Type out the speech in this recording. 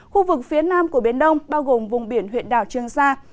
khu vực phía nam của biển đông bao gồm vùng biển huyện đảo trương sa